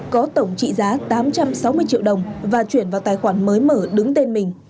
có tổng trị giá tám trăm sáu mươi triệu đồng và chuyển vào tài khoản mới mở đứng tên mình